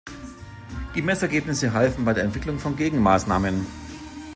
Die Messergebnisse halfen bei der Entwicklung von Gegenmaßnahmen.